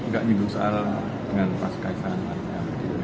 dengan pas kaesang